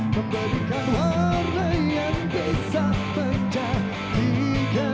memberikan warna yang bisa